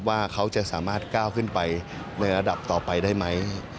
ว่าเขาจะสามารถก้าวขึ้นไปในระดับต่อไปได้ไหม